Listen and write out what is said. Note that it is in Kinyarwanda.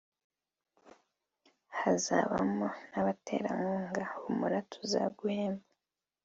hazabamo n’abaterankunga humura tuzaguhemba